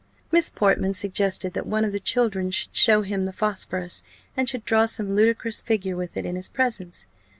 Miss Portman suggested that one of the children should show him the phosphorus, and should draw some ludicrous figure with it in his presence.